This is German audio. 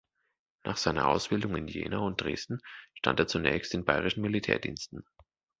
Nach seiner Ausbildung in Jena und Dresden, stand er zunächst in bayerischen Militärdiensten.